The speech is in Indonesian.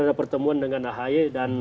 ada pertemuan dengan ahy dan